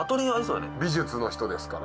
美術の人ですから。